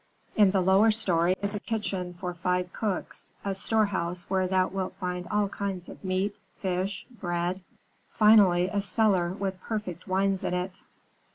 In the lower story is a kitchen for five cooks; a storehouse where thou wilt find all kinds of meat, fish, bread; finally, a cellar with perfect wines in it.